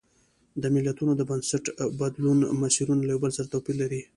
د ملتونو د بنسټي بدلون مسیرونه له یو بل سره توپیر لري.